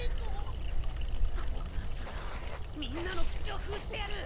こうなったらみんなのくちをふうじてやる！